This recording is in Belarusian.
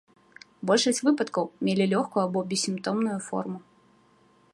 Большасць выпадкаў мелі лёгкую або бессімптомную форму.